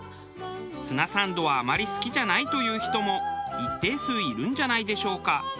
ツナサンドはあまり好きじゃないという人も一定数いるんじゃないでしょうか。